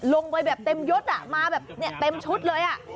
ลงไปแบบเต็มยดมาแบบเต็มชุดเลย